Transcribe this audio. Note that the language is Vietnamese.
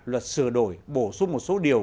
luật sửa đổi bổ sung một số điều